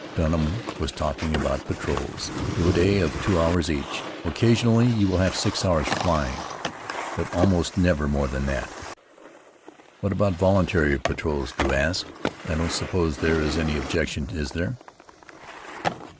Dunham was talking about patrols. "Two a day of two hours each. Occasionally you will have six hours' flying, but almost never more than that." "What about voluntary patrols?" Drew asked. "I don't suppose there is any objection, is there?"